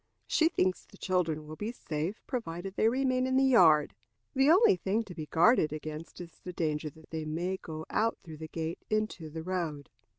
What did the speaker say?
She thinks the children will be safe, provided they remain in the yard. The only thing to be guarded against is the danger that they may go out through the gate into the road.